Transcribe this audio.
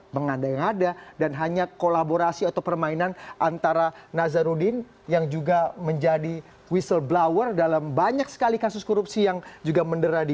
mengandai yang ada dan hanya kolaborasi atau permainan antara nazaruddin yang juga menjadi whistleblower dalam banyak sekali kasus korupsi yang juga menderadi